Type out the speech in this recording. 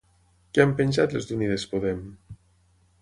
Què han penjat les d'Unides Podem?